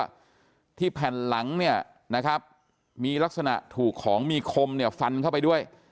ที่แผ่นหลังเนี่ยนะครับมีลักษณะถูกของมีคมเนี่ยฟันเข้าไปด้วย